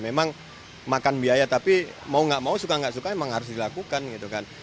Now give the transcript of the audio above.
memang makan biaya tapi mau gak mau suka nggak suka emang harus dilakukan gitu kan